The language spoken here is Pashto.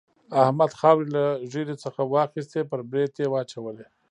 احمد خاورې له ږيرې څخه واخيستې پر برېت يې واچولې.